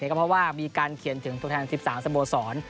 ก็เพราะว่ามีการเขียนถึงตัวแทน๑๓สโมสร